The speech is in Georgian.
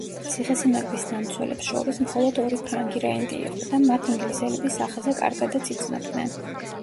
ციხესიმაგრის დამცველებს შორის მხოლოდ ორი ფრანგი რაინდი იყო და მათ ინგლისელები სახეზე კარგადაც იცნობდნენ.